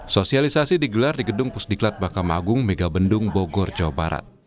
sosialisasi digelar di gedung pusdiklat bakam agung megabendung bogor jawa barat